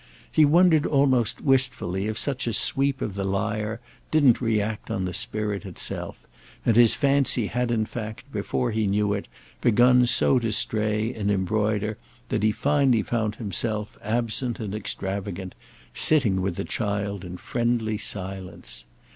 He wondered almost wistfully if such a sweep of the lyre didn't react on the spirit itself; and his fancy had in fact, before he knew it, begun so to stray and embroider that he finally found himself, absent and extravagant, sitting with the child in a friendly silence.